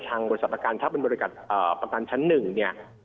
บริษัทประกันถ้าเป็นบริษัทประกันชั้นหนึ่งเนี่ย